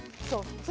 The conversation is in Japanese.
そう。